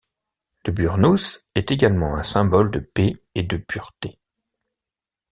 Le burnous est également un symbole de paix et de pureté.